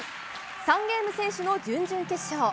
３ゲーム先取の準々決勝。